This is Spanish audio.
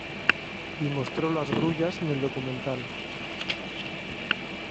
Y mostró las grullas en el documental.